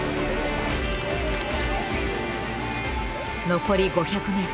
「残り５００ｍ。